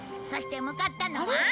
そして向かったのは